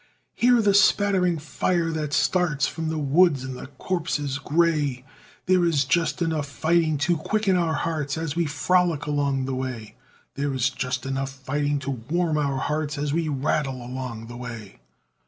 Hear the spattering fire that starts From the woods and the copses gray, There is just enough fighting to quicken our hearts, As we frolic along the way! There is just enough fighting to warm our hearts, As we rattle along the way.